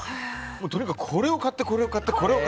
とにかくこれを買ってこれを買って。